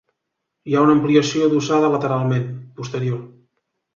Hi ha una ampliació adossada lateralment, posterior.